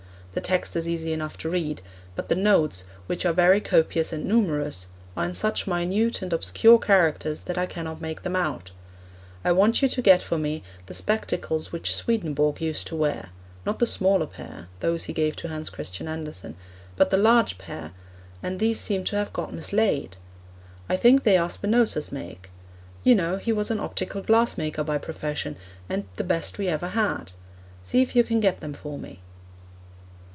The text is easy enough to read; but the notes, which are very copious and numerous, are in such minute and obscure characters that I cannot make them out. I want you to get for me the spectacles which Swedenborg used to wear; not the smaller pair those he gave to Hans Christian Andersen but the large pair, and these seem to have got mislaid. I think they are Spinoza's make. You know, he was an optical glass maker by profession, and the best we ever had. See if you can get them for me.'